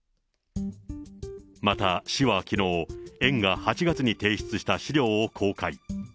また、市はきのう、園が８月に提出した資料を公開。